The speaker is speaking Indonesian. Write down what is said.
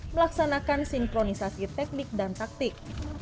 melaksanakan sinkronisasi teknik dan taktik